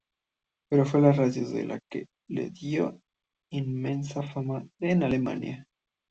Pero fue la radio la que le dio inmensa fama en Alemania.